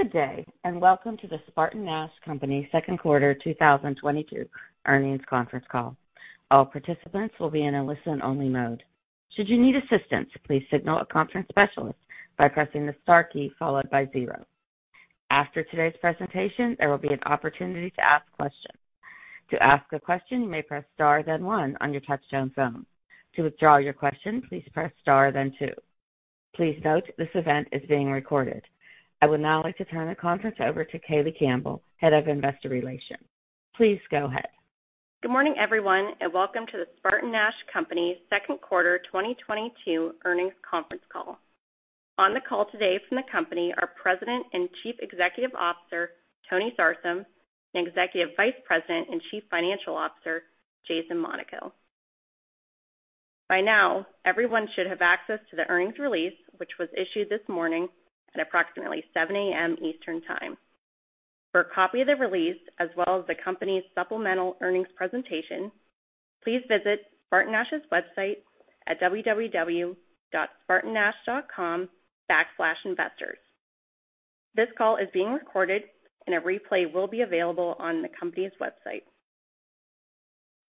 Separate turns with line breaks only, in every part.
Good day, and welcome to the SpartanNash Company Q2 2022 earnings conference call. All participants will be in a listen-only mode. Should you need assistance, please signal a conference specialist by pressing the star key followed by zero. After today's presentation, there will be an opportunity to ask questions. To ask a question, you may press star then one on your touchtone phone. To withdraw your question, please press star then two. Please note this event is being recorded. I would now like to turn the conference over to Kayleigh Campbell, Head of Investor Relations. Please go ahead.
Good morning, everyone, and welcome to the SpartanNash Company Q2 2022 earnings conference call. On the call today from the company are President and Chief Executive Officer, Tony Sarsam, and Executive Vice President and Chief Financial Officer, Jason Monaco. By now, everyone should have access to the earnings release, which was issued this morning at approximately 7 A.M. Eastern Time. For a copy of the release, as well as the company's supplemental earnings presentation, please visit SpartanNash's website at www.spartannash.com/investors. This call is being recorded, and a replay will be available on the company's website.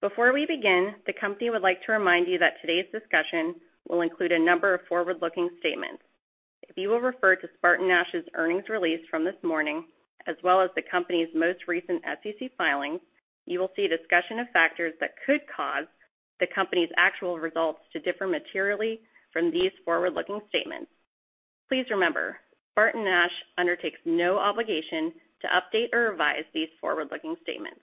Before we begin, the company would like to remind you that today's discussion will include a number of forward-looking statements. If you will refer to SpartanNash's earnings release from this morning, as well as the company's most recent SEC filings, you will see discussion of factors that could cause the company's actual results to differ materially from these forward-looking statements. Please remember, SpartanNash undertakes no obligation to update or revise these forward-looking statements.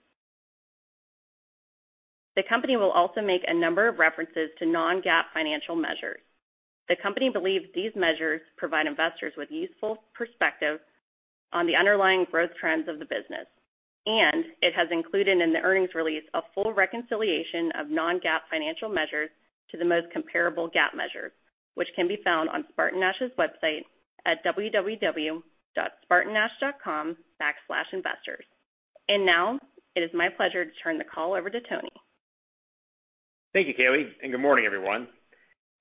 The company will also make a number of references to non-GAAP financial measures. The company believes these measures provide investors with useful perspective on the underlying growth trends of the business, and it has included in the earnings release a full reconciliation of non-GAAP financial measures to the most comparable GAAP measures, which can be found on SpartanNash's website at www.spartannash.com/investors. Now, it is my pleasure to turn the call over to Tony.
@Thank you, Kayleigh, and good morning, everyone.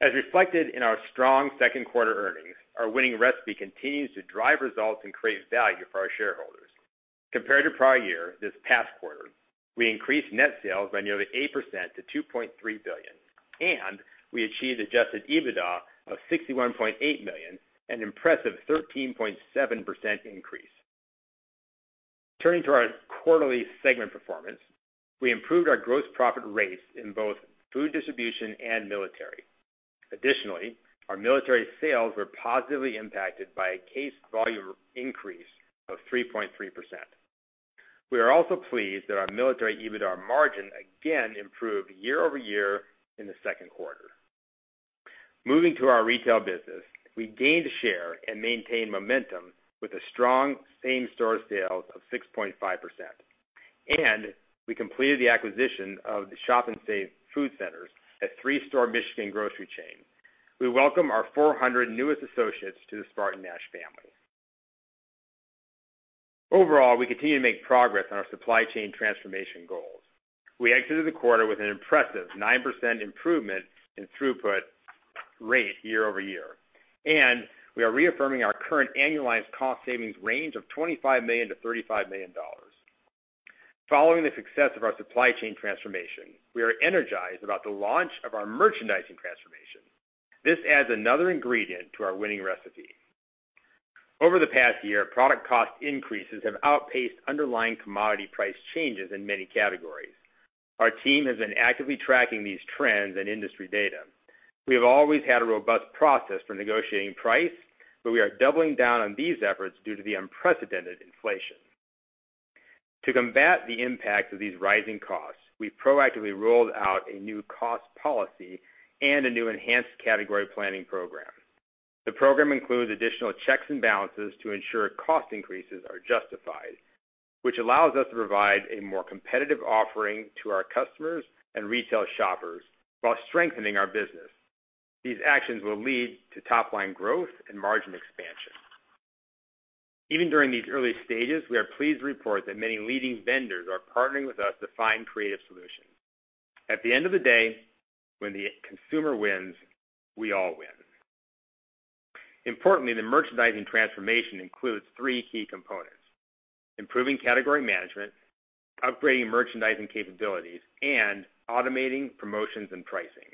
As reflected in our strong Q2 earnings, our winning recipe continues to drive results and create value for our shareholders. Compared to prior year, this past quarter, we increased net sales by nearly 8% to $2.3 billion, and we achieved adjusted EBITDA of $61.8 million, an impressive 13.7% increase. Turning to our quarterly segment performance, we improved our gross profit rates in both food distribution and military. Additionally, our military sales were positively impacted by a case volume increase of 3.3%. We are also pleased that our military EBITDA margin again improved year-over-year in the Q2. Moving to our retail business, we gained share and maintained momentum with a strong same-store sales of 6.5%, and we completed the acquisition of the Shop-N-Save Food Centers, a three-store Michigan grocery chain. We welcome our 400 newest associates to the SpartanNash family. Overall, we continue to make progress on our supply chain transformation goals. We exited the quarter with an impressive 9% improvement in throughput rate year-over-year, and we are reaffirming our current annualized cost savings range of $25 million-$35 million. Following the success of our supply chain transformation, we are energized about the launch of our merchandising transformation. This adds another ingredient to our winning recipe. Over the past year, product cost increases have outpaced underlying commodity price changes in many categories. Our team has been actively tracking these trends and industry data. We have always had a robust process for negotiating price, but we are doubling down on these efforts due to the unprecedented inflation. To combat the impact of these rising costs, we proactively rolled out a new cost policy and a new enhanced category planning program. The program includes additional checks and balances to ensure cost increases are justified, which allows us to provide a more competitive offering to our customers and retail shoppers while strengthening our business. These actions will lead to top line growth and margin expansion. Even during these early stages, we are pleased to report that many leading vendors are partnering with us to find creative solutions. At the end of the day, when the consumer wins, we all win. Importantly, the merchandising transformation includes three key components, improving category management, upgrading merchandising capabilities, and automating promotions and pricing.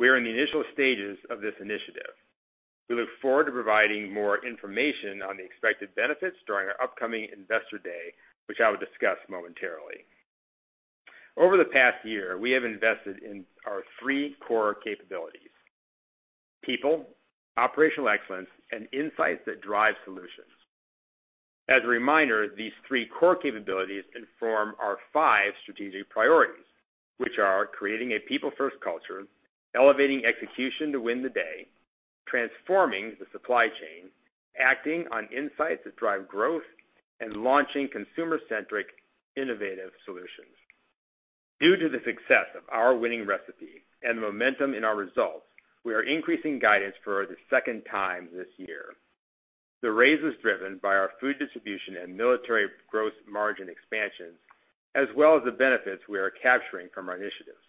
We are in the initial stages of this initiative. We look forward to providing more information on the expected benefits during our upcoming Investor Day, which I will discuss momentarily. Over the past year, we have invested in our three core capabilities, people, operational excellence, and insights that drive solutions. As a reminder, these three core capabilities inform our five strategic priorities, which are creating a people-first culture, elevating execution to win the day, transforming the supply chain, acting on insights that drive growth, and launching consumer-centric, innovative solutions. Due to the success of our winning recipe and the momentum in our results, we are increasing guidance for the second time this year. The raise is driven by our food distribution and military gross margin expansions, as well as the benefits we are capturing from our initiatives.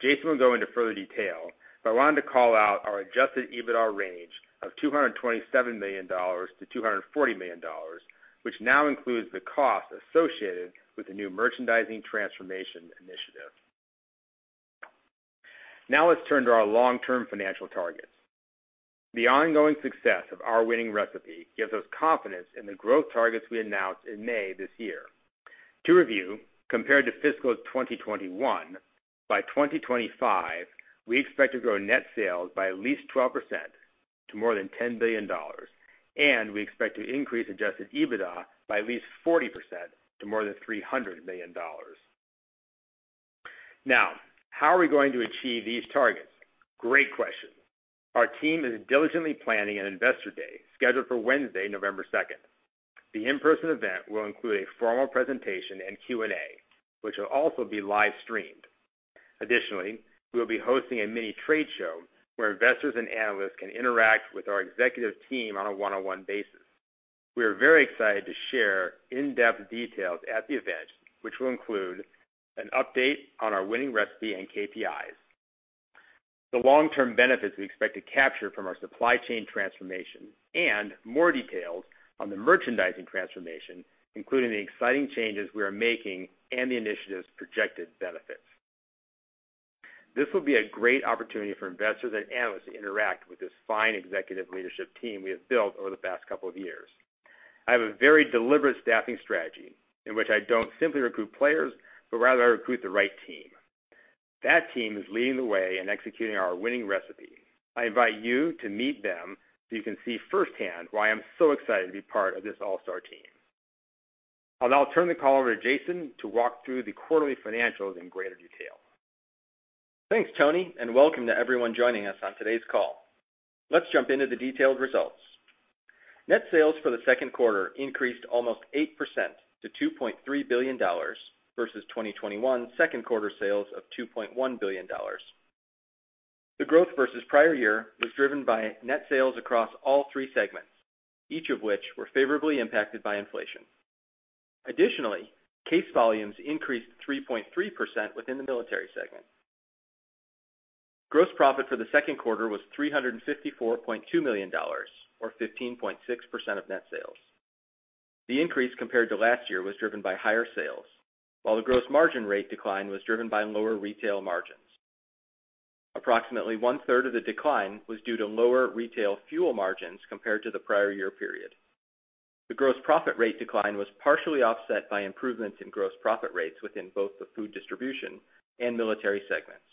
Jason will go into further detail, but I wanted to call out our adjusted EBITDA range of $227 million-$240 million, which now includes the cost associated with the new merchandising transformation initiative. Now let's turn to our long-term financial targets. The ongoing success of our winning recipe gives us confidence in the growth targets we announced in May this year. To review, compared to fiscal 2021, by 2025, we expect to grow net sales by at least 12% to more than $10 billion, and we expect to increase adjusted EBITDA by at least 40% to more than $300 million. Now, how are we going to achieve these targets? Great question. Our team is diligently planning an investor day scheduled for Wednesday, November second. The in-person event will include a formal presentation and Q&A, which will also be live-streamed. Additionally, we'll be hosting a mini trade show where investors and analysts can interact with our executive team on a one-on-one basis. We are very excited to share in-depth details at the event, which will include an update on our winning recipe and KPIs, the long-term benefits we expect to capture from our supply chain transformation, and more details on the merchandising transformation, including the exciting changes we are making and the initiative's projected benefits. This will be a great opportunity for investors and analysts to interact with this fine executive leadership team we have built over the past couple of years. I have a very deliberate staffing strategy in which I don't simply recruit players, but rather I recruit the right team. That team is leading the way in executing our winning recipe. I invite you to meet them so you can see firsthand why I'm so excited to be part of this all-star team. I'll now turn the call over to Jason to walk through the quarterly financials in greater detail.
Thanks, Tony, and welcome to everyone joining us on today's call. Let's jump into the detailed results. Net sales for the Q2 increased almost 8% to $2.3 billion versus 2021 Q2 sales of $2.1 billion. The growth versus prior year was driven by net sales across all three segments, each of which were favorably impacted by inflation. Additionally, case volumes increased 3.3% within the military segment. Gross profit for the Q2 was $354.2 million or 15.6% of net sales. The increase compared to last year was driven by higher sales, while the gross margin rate decline was driven by lower retail margins. Approximately 1/3 of the decline was due to lower retail fuel margins compared to the prior year period. The gross profit rate decline was partially offset by improvements in gross profit rates within both the food distribution and military segments.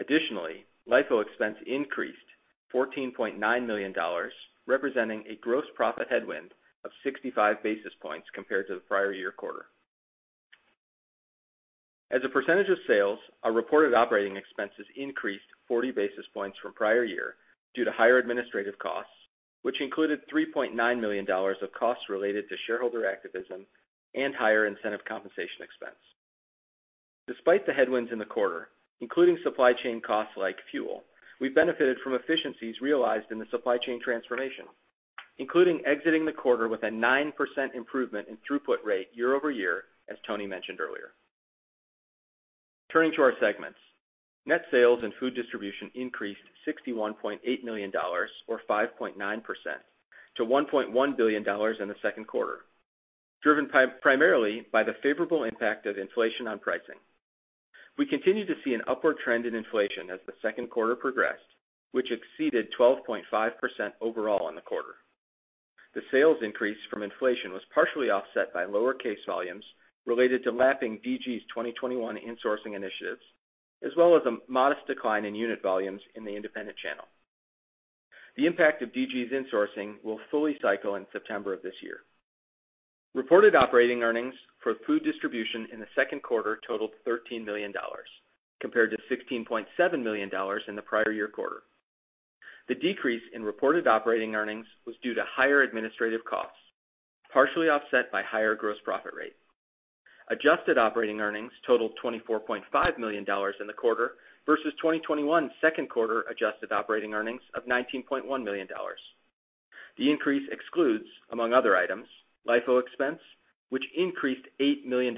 Additionally, LIFO expense increased $14.9 million, representing a gross profit headwind of 65 basis points compared to the prior year quarter. As a percentage of sales, our reported operating expenses increased 40 basis points from prior year due to higher administrative costs, which included $3.9 million of costs related to shareholder activism and higher incentive compensation expense. Despite the headwinds in the quarter, including supply chain costs like fuel, we benefited from efficiencies realized in the supply chain transformation, including exiting the quarter with a 9% improvement in throughput rate year over year, as Tony mentioned earlier. Turning to our segments. Net sales and food distribution increased $61.8 million or 5.9% to $1.1 billion in the Q2, driven primarily by the favorable impact of inflation on pricing. We continue to see an upward trend in inflation as the Q2 progressed, which exceeded 12.5% overall in the quarter. The sales increase from inflation was partially offset by lower case volumes related to lapping DG's 2021 insourcing initiatives, as well as a modest decline in unit volumes in the independent channel. The impact of DG's insourcing will fully cycle in September of this year. Reported operating earnings for food distribution in the Q2 totaled $13 million compared to $16.7 million in the prior year quarter. The decrease in reported operating earnings was due to higher administrative costs, partially offset by higher gross profit rate. Adjusted operating earnings totaled $24.5 million in the quarter versus 2021 Q2 adjusted operating earnings of $19.1 million. The increase excludes, among other items, LIFO expense, which increased $8 million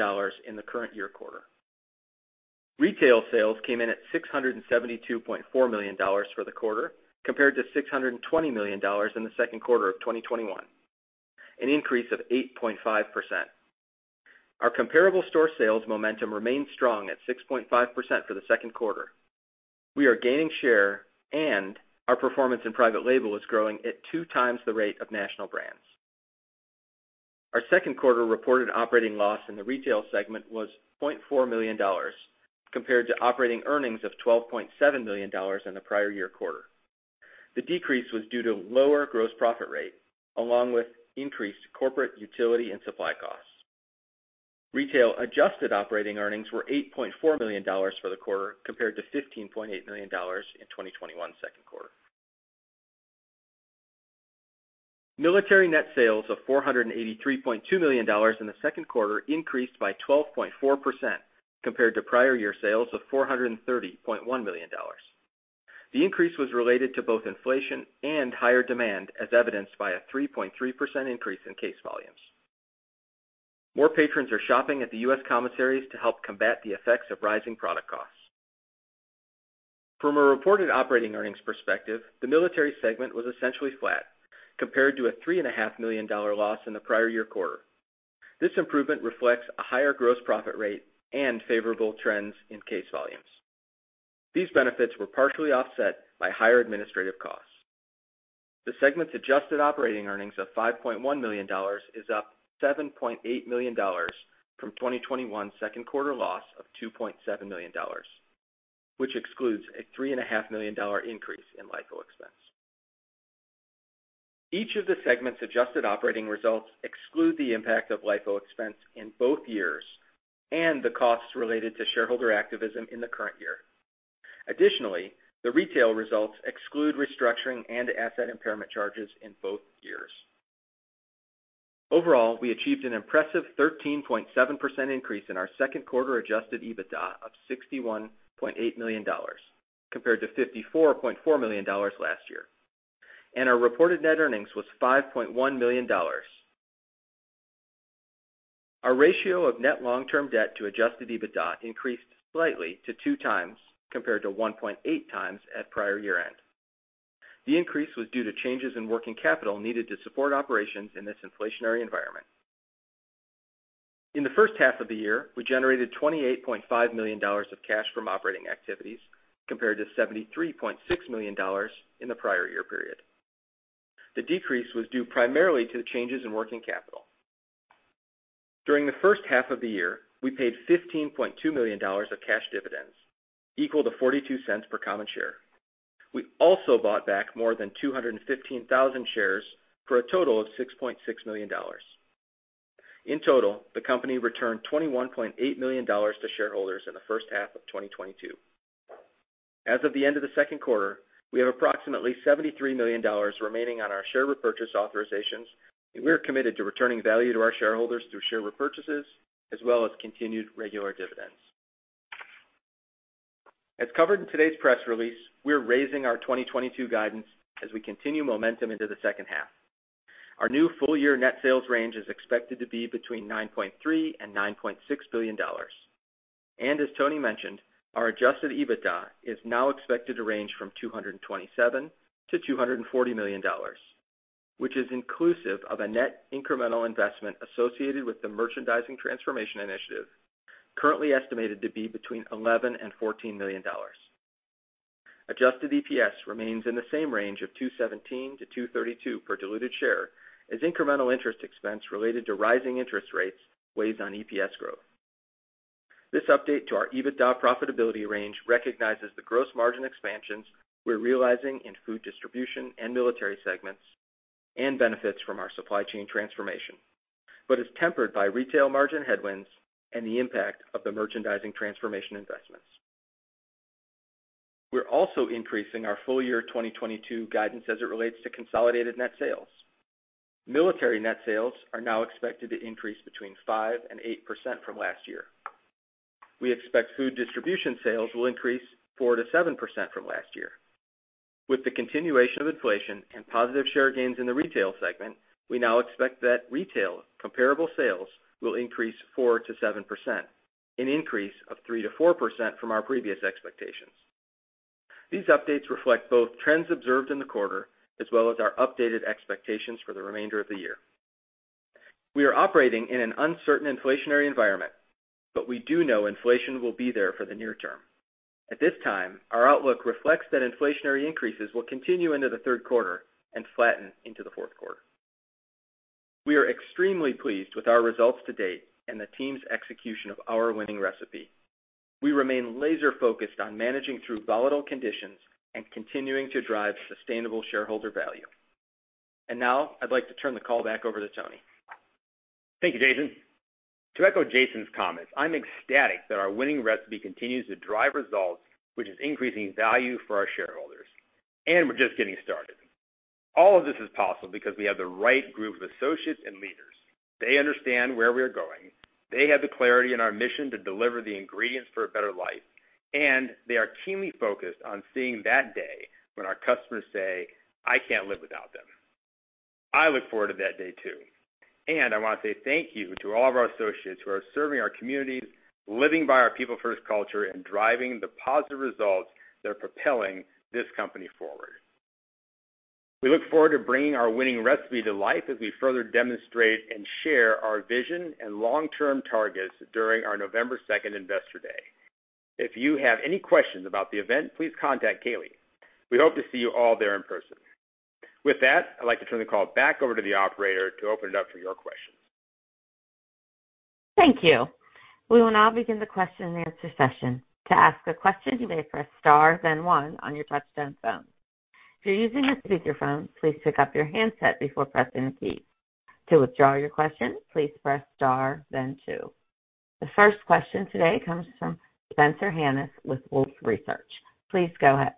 in the current year quarter. Retail sales came in at $672.4 million for the quarter, compared to $620 million in the Q2 of 2021, an increase of 8.5%. Our comparable store sales momentum remained strong at 6.5% for the Q2. We are gaining share and our performance in private label is growing at 2x the rate of national brands. Our Q2 reported operating loss in the retail segment was $0.4 million compared to operating earnings of $12.7 million in the prior year quarter. The decrease was due to lower gross profit rate along with increased corporate utility and supply costs. Retail adjusted operating earnings were $8.4 million for the quarter, compared to $15.8 million in 2021 Q2. Military net sales of $483.2 million in the Q2 increased by 12.4% compared to prior year sales of $430.1 million. The increase was related to both inflation and higher demand, as evidenced by a 3.3% increase in case volumes. More patrons are shopping at the U.S. commissaries to help combat the effects of rising product costs. From a reported operating earnings perspective, the military segment was essentially flat compared to a $3.5 million loss in the prior year quarter. This improvement reflects a higher gross profit rate and favorable trends in case volumes. These benefits were partially offset by higher administrative costs. The segment's adjusted operating earnings of $5.1 million is up $7.8 million from 2021 Q2 loss of $2.7 million, which excludes a $3.5 million increase in LIFO expense. Each of the segment's adjusted operating results exclude the impact of LIFO expense in both years and the costs related to shareholder activism in the current year. Additionally, the retail results exclude restructuring and asset impairment charges in both years. Overall, we achieved an impressive 13.7% increase in our Q2 adjusted EBITDA of $61.8 million compared to $54.4 million last year, and our reported net earnings was $5.1 million. Our ratio of net long-term debt to adjusted EBITDA increased slightly to 2x compared to 1.8x at prior year-end. The increase was due to changes in working capital needed to support operations in this inflationary environment. In the first half of the year, we generated $28.5 million of cash from operating activities compared to $73.6 million in the prior year period. The decrease was due primarily to the changes in working capital. During the first half of the year, we paid $15.2 million of cash dividends equal to $0.42 per common share. We also bought back more than 215,000 shares for a total of $6.6 million. In total, the company returned $21.8 million to shareholders in the first half of 2022. As of the end of the Q2, we have approximately $73 million remaining on our share repurchase authorizations, and we are committed to returning value to our shareholders through share repurchases as well as continued regular dividends. As covered in today's press release, we are raising our 2022 guidance as we continue momentum into the second half. Our new full year net sales range is expected to be between $9.3 billion and $9.6 billion. As Tony mentioned, our adjusted EBITDA is now expected to range from $227 million-$240 million, which is inclusive of a net incremental investment associated with the merchandising transformation initiative, currently estimated to be between $11 million-$14 million. Adjusted EPS remains in the same range of $2.17-$2.32 per diluted share as incremental interest expense related to rising interest rates weighs on EPS growth. This update to our EBITDA profitability range recognizes the gross margin expansions we're realizing in food distribution and military segments and benefits from our supply chain transformation, but is tempered by retail margin headwinds and the impact of the merchandising transformation investments. We're also increasing our full year 2022 guidance as it relates to consolidated net sales. Military net sales are now expected to increase between 5% and 8% from last year. We expect food distribution sales will increase 4%-7% from last year. With the continuation of inflation and positive share gains in the retail segment, we now expect that retail comparable sales will increase 4%-7%, an increase of 3%-4% from our previous expectations. These updates reflect both trends observed in the quarter as well as our updated expectations for the remainder of the year. We are operating in an uncertain inflationary environment, but we do know inflation will be there for the near term. At this time, our outlook reflects that inflationary increases will continue into the Q3 and flatten into the Q4. We are extremely pleased with our results to date and the team's execution of our winning recipe. We remain laser focused on managing through volatile conditions and continuing to drive sustainable shareholder value. Now I'd like to turn the call back over to Tony.
Thank you, Jason. To echo Jason's comments, I'm ecstatic that our winning recipe continues to drive results, which is increasing value for our shareholders, and we're just getting started. All of this is possible because we have the right group of associates and leaders. They understand where we are going. They have the clarity in our mission to deliver the ingredients for a better life, and they are keenly focused on seeing that day when our customers say, "I can't live without them." I look forward to that day, too. I want to say thank you to all of our associates who are serving our communities, living by our people first culture, and driving the positive results that are propelling this company forward. We look forward to bringing our winning recipe to life as we further demonstrate and share our vision and long-term targets during our 2nd November Investor Day. If you have any questions about the event, please contact Kayleigh. We hope to see you all there in person. With that, I'd like to turn the call back over to the operator to open it up for your questions.
Thank you. We will now begin the Q&A session. To ask a question, you may press star then one on your touch-tone phone. If you're using a speakerphone, please pick up your handset before pressing a key. To withdraw your question, please press star then two. The first question today comes from Spencer Hanus with Wolfe Research. Please go ahead.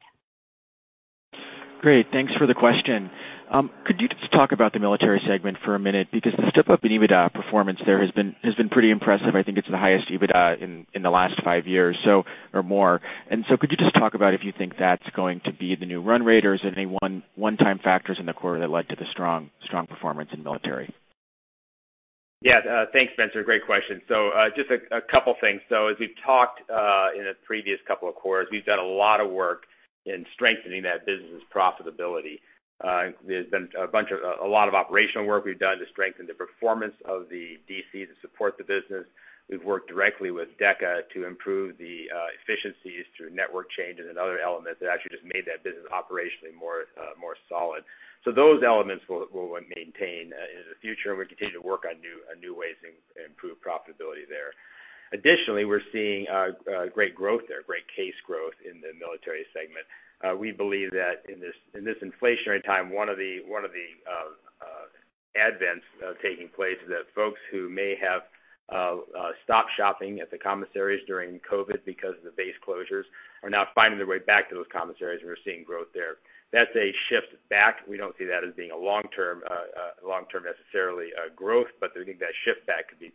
Great. Thanks for the question. Could you just talk about the military segment for a minute? Because the step-up in EBITDA performance there has been pretty impressive. I think it's the highest EBITDA in the last five years or more. Could you just talk about if you think that's going to be the new run rate or is there any one-time factors in the quarter that led to the strong performance in military?
Yes. Thanks, Spencer. Great question. Just a couple things. As we've talked in the previous couple of quarters, we've done a lot of work in strengthening that business' profitability. There's been a lot of operational work we've done to strengthen the performance of the DCs that support the business. We've worked directly with DECA to improve the efficiencies through network changes and other elements that actually just made that business operationally more solid. Those elements will maintain into the future, and we'll continue to work on new ways and improve profitability there. Additionally, we're seeing great growth there, great case growth in the military segment. We believe that in this inflationary time, one of the events taking place is that folks who may have stopped shopping at the commissaries during COVID because of the base closures are now finding their way back to those commissaries, and we're seeing growth there. That's a shift back. We don't see that as being necessarily long-term growth, but we think that shift back could be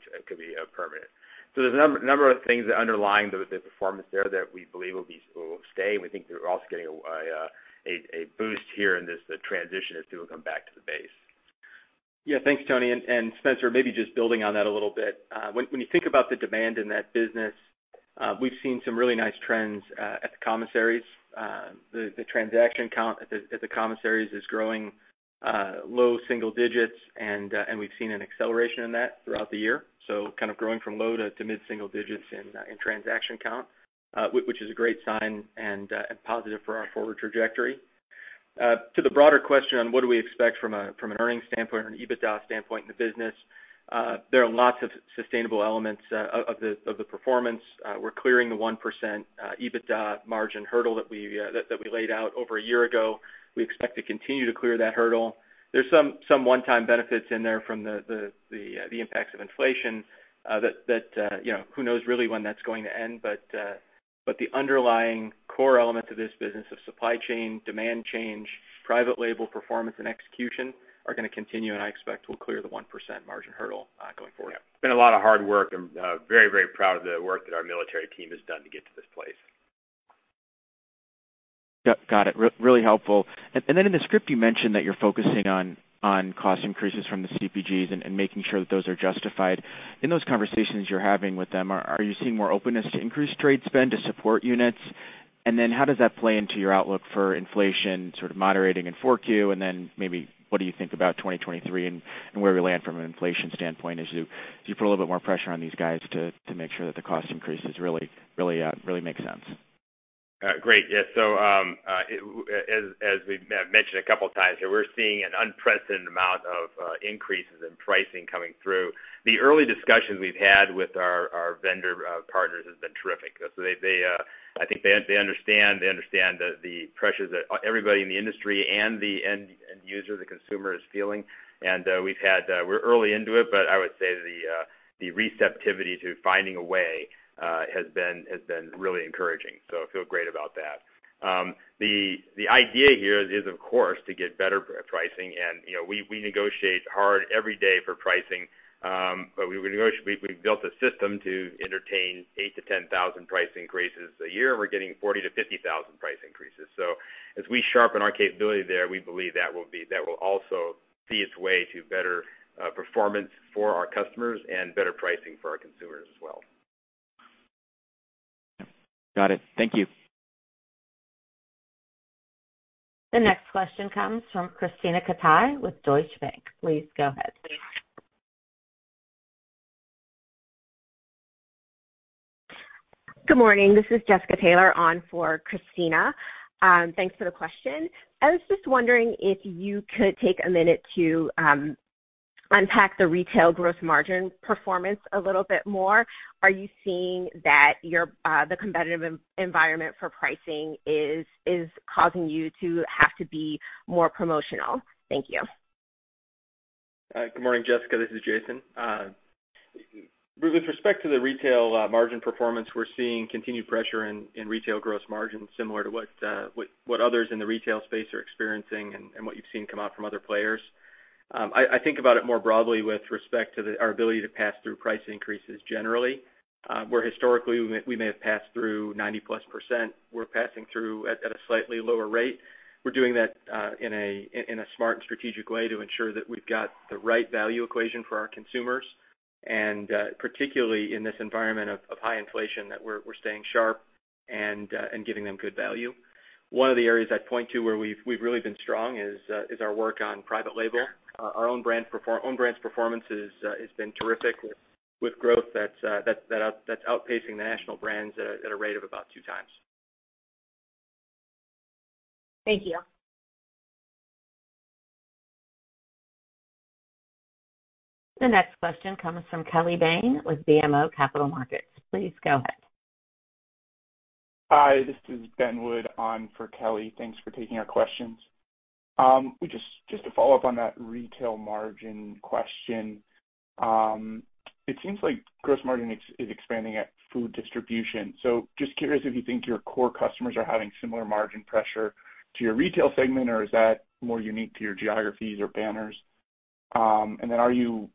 permanent. There's a number of things underlying the performance there that we believe will stay. We think we're also getting a boost here in the transition as people come back to the base.
Yeah. Thanks, Tony. Spencer, maybe just building on that a little bit. When you think about the demand in that business, we've seen some really nice trends at the commissaries. The transaction count at the commissaries is growing low single digits%, and we've seen an acceleration in that throughout the year. Kind of growing from low to mid single digits% in transaction count, which is a great sign and positive for our forward trajectory. To the broader question on what we expect from an earnings standpoint or an EBITDA standpoint in the business, there are lots of sustainable elements of the performance. We're clearing the 1% EBITDA margin hurdle that we laid out over a year ago. We expect to continue to clear that hurdle. There's some one-time benefits in there from the impacts of inflation that, you know, who knows really when that's going to end. The underlying core elements of this business of supply chain, demand chain, private label performance and execution are gonna continue, and I expect we'll clear the 1% margin hurdle going forward.
Yeah. It's been a lot of hard work and, very, very proud of the work that our military team has done to get to this place.
Yep, got it. Really helpful. In the script, you mentioned that you're focusing on cost increases from the CPGs and making sure that those are justified. In those conversations you're having with them, are you seeing more openness to increased trade spend to support units? How does that play into your outlook for inflation sort of moderating in 4Q? What do you think about 2023 and where we land from an inflation standpoint as you put a little bit more pressure on these guys to make sure that the cost increases really make sense?
Great. Yeah. As we've mentioned a couple times here, we're seeing an unprecedented amount of increases in pricing coming through. The early discussions we've had with our vendor partners has been terrific. They understand the pressures that everybody in the industry and the end user, the consumer is feeling. We're early into it, but I would say the receptivity to finding a way has been really encouraging, so I feel great about that. The idea here is, of course, to get better pricing and, you know, we negotiate hard every day for pricing, but we built a system to entertain 8,000-10,000 price increases a year, and we're getting 40,000-50,000 price increases. As we sharpen our capability there, we believe that will also see its way to better performance for our customers and better pricing for our consumers as well.
Got it. Thank you.
The next question comes from Krisztina Katai with Deutsche Bank. Please go ahead.
Good morning. This is Jessica Taylor on for Krisztina Katai. Thanks for the question. I was just wondering if you could take a minute to unpack the retail gross margin performance a little bit more. Are you seeing that the competitive environment for pricing is causing you to have to be more promotional? Thank you.
Good morning, Jessica. This is Jason. With respect to the retail margin performance, we're seeing continued pressure in retail gross margin, similar to what others in the retail space are experiencing and what you've seen come out from other players. I think about it more broadly with respect to our ability to pass through price increases generally. Where historically we may have passed through +90%, we're passing through at a slightly lower rate. We're doing that in a smart and strategic way to ensure that we've got the right value equation for our consumers, and particularly in this environment of high inflation, that we're staying sharp and giving them good value. One of the areas I'd point to where we've really been strong is our work on private label. Our own brand's performance has been terrific with growth that's outpacing the national brands at a rate of about two times.
Thank you.
The next question comes from Kelly Bania with BMO Capital Markets. Please go ahead.
Hi, this is Ben Wood on for Kelly. Thanks for taking our questions. We just to follow up on that retail margin question, it seems like gross margin is expanding at food distribution. So just curious if you think your core customers are having similar margin pressure to your retail segment, or is that more unique to your geographies or banners? And then are you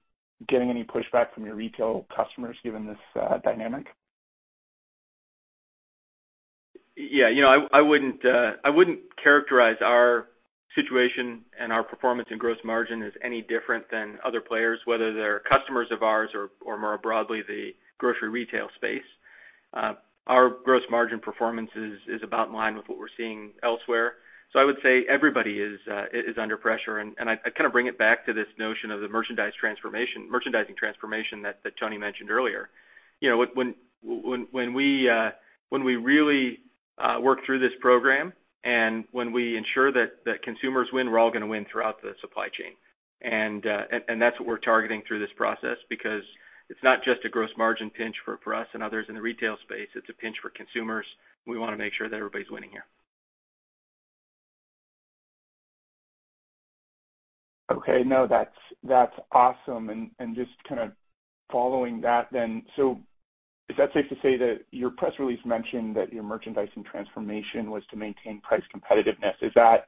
getting any pushback from your retail customers given this dynamic? Yeah, you know, I wouldn't characterize our situation and our performance in gross margin as any different than other players, whether they're customers of ours or more broadly, the grocery retail space. Our gross margin performance is about in line with what we're seeing elsewhere. So I would say everybody is under pressure.
I kind of bring it back to this notion of the merchandising transformation that Tony mentioned earlier. You know, when we really work through this program and when we ensure that consumers win, we're all gonna win throughout the supply chain. That's what we're targeting through this process because it's not just a gross margin pinch for us and others in the retail space, it's a pinch for consumers. We wanna make sure that everybody's winning here.
Okay. No, that's awesome. Just kinda following that then. Is that safe to say that your press release mentioned that your merchandising transformation was to maintain price competitiveness? Is that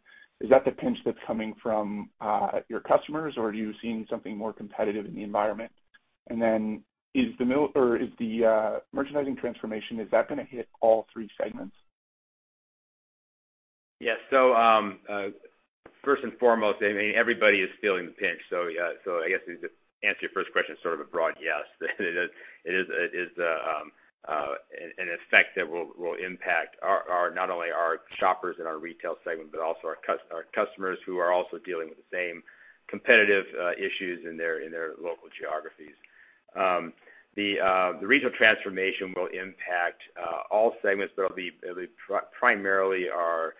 the pinch that's coming from your customers, or are you seeing something more competitive in the environment? Is the merchandising transformation gonna hit all three segments?
Yes. First and foremost, I mean, everybody is feeling the pinch. I guess to answer your first question, sort of a broad yes. It is an effect that will impact not only our shoppers in our retail segment, but also our customers who are also dealing with the same competitive issues in their local geographies. The retail transformation will impact all segments. It'll be primarily our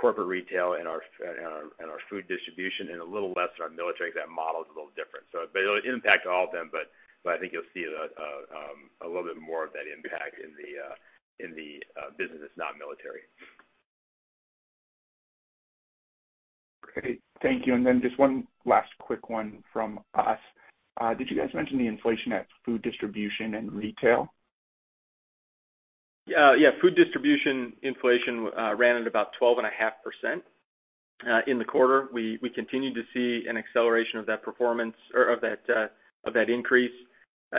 corporate retail and our food distribution and a little less on military 'cause that model is a little different. It'll impact all of them. I think you'll see a little bit more of that impact in the business that's not military.
Great. Thank you. Just one last quick one from us. Did you guys mention the inflation at food distribution and retail?
Yeah, food distribution inflation ran at about 12.5% in the quarter. We continued to see an acceleration of that performance or of that increase.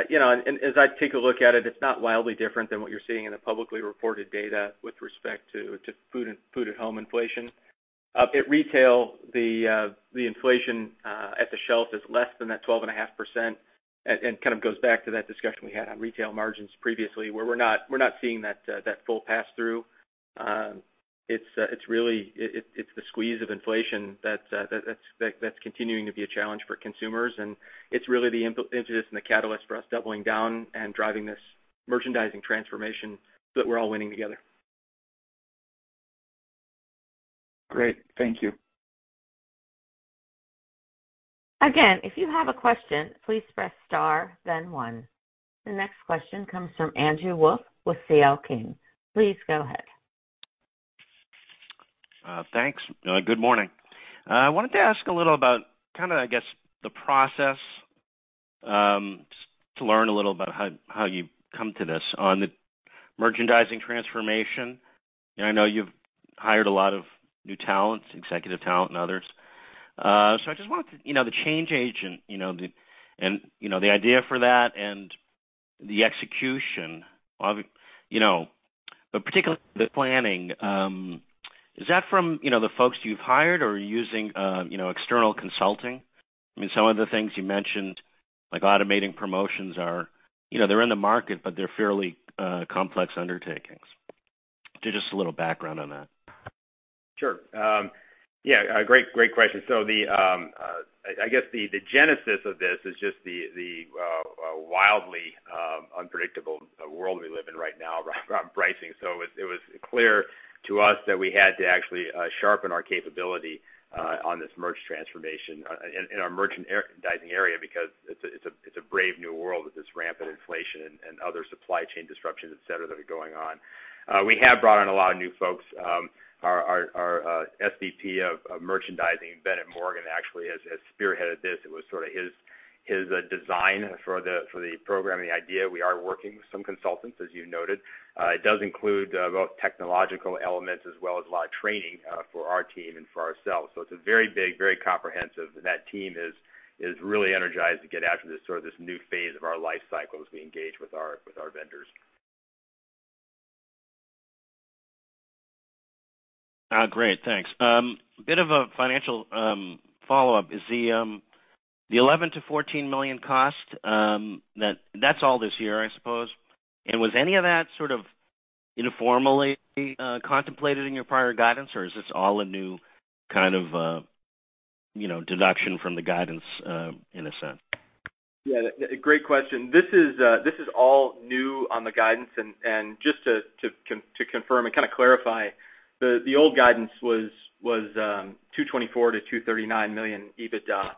You know, as I take a look at it's not wildly different than what you're seeing in the publicly reported data with respect to food-at-home inflation. At retail, the inflation at the shelf is less than that 12.5% and kind of goes back to that discussion we had on retail margins previously where we're not seeing that full pass through. It's really. It's the squeeze of inflation that's continuing to be a challenge for consumers. It's really the impetus and the catalyst for us doubling down and driving this merchandising transformation, so that we're all winning together.
Great. Thank you.
Again, if you have a question, please press Star, then One. The next question comes from Andrew Wolf with C.L. King. Please go ahead.
Thanks. Good morning. I wanted to ask a little about kinda, I guess, the process, to learn a little about how you come to this on the merchandising transformation. I know you've hired a lot of new talents, executive talent and others. I just wanted to. You know, the change agent, you know, the idea for that and the execution, you know, but particularly the planning, is that from, you know, the folks you've hired or are you using, you know, external consulting? I mean, some of the things you mentioned, like automating promotions are, you know, they're in the market, but they're fairly, complex undertakings. Just a little background on that.
Sure. Yeah, a great question. I guess the genesis of this is just the wildly unpredictable world we live in right now around pricing. It was clear to us that we had to actually sharpen our capability on this merch transformation in our merchandising area because it's a brave new world with this rampant inflation and other supply chain disruptions, et cetera, that are going on. We have brought in a lot of new folks. Our SVP of Merchandising, Bennett Morgan, actually has spearheaded this. It was sorta his design for the program and the idea. We are working with some consultants, as you noted. It does include both technological elements as well as a lot of training for our team and for ourselves. It's a very big, very comprehensive. That team is really energized to get after this, sorta this new phase of our life cycle as we engage with our vendors.
Great. Thanks. A bit of a financial follow-up. Is the $11 million-$14 million cost that's all this year, I suppose. Was any of that sort of informally contemplated in your prior guidance, or is this all a new kind of a, you know, deduction from the guidance, in a sense?
Yeah, a great question. This is all new on the guidance. Just to confirm and kinda clarify, the old guidance was $224 million-$239 million EBITDA.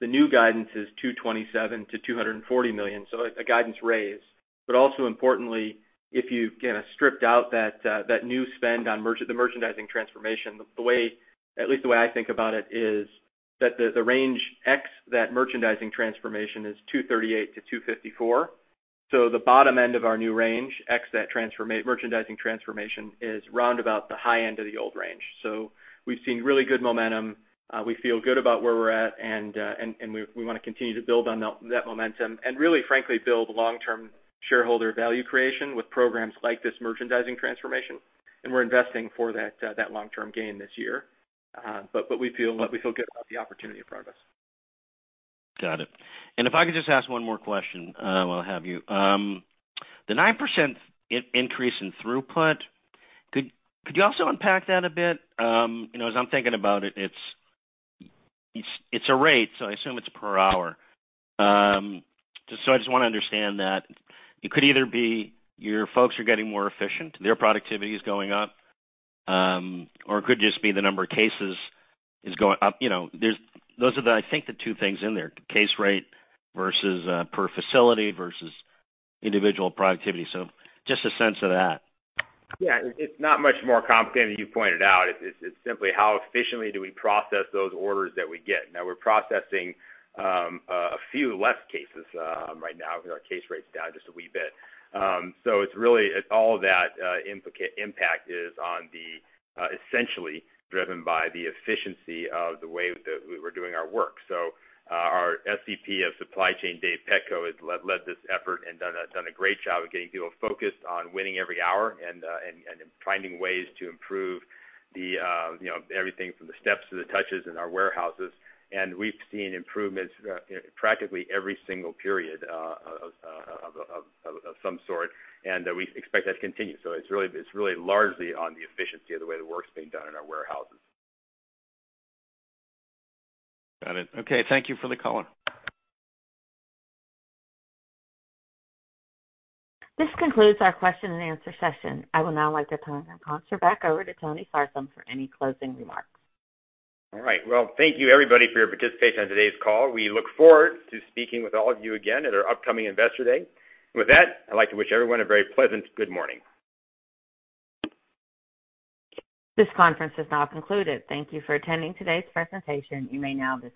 The new guidance is $227 million-$240 million, a guidance raise. Also importantly, if you kinda stripped out that new spend on merchandising transformation, the way, at least the way I think about it is that the range ex that merchandising transformation is $238 million-$254 million. The bottom end of our new range ex that merchandising transformation is round about the high end of the old range. We've seen really good momentum. We feel good about where we're at, and we wanna continue to build on that momentum and really, frankly, build long-term shareholder value creation with programs like this merchandising transformation. We're investing for that long-term gain this year.
We feel good about the opportunity in front of us.
Got it. If I could just ask one more question while I have you. The 9% increase in throughput, could you also unpack that a bit? You know, as I'm thinking about it's a rate, so I assume it's per hour. I just wanna understand that it could either be your folks are getting more efficient, their productivity is going up, or it could just be the number of cases is going up. You know, those are the, I think, the two things in there, case rate versus per facility versus individual productivity. Just a sense of that.
Yeah. It's not much more complicated than you pointed out. It's simply how efficiently do we process those orders that we get. Now we're processing a few less cases right now because our case rate's down just a wee bit. It's really all that impact is essentially driven by the efficiency of the way that we're doing our work. Our SVP of supply chain, David Petko, has led this effort and done a great job of getting people focused on winning every hour and finding ways to improve you know everything from the steps to the touches in our warehouses. We've seen improvements practically every single period of some sort. We expect that to continue. It's really largely on the efficiency of the way the work's being done in our warehouses.
Got it. Okay. Thank you for the color.
This concludes our Q&A session. I would now like to turn the call back over to Tony Sarsam for any closing remarks.
All right. Well, thank you everybody for your participation on today's call. We look forward to speaking with all of you again at our upcoming Investor Day. With that, I'd like to wish everyone a very pleasant good morning.
This conference is now concluded. Thank you for attending today's presentation. You may now dis-